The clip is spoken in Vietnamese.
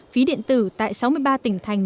phí điện tử tại sáu mươi ba tỉnh thành